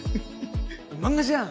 漫画じゃん！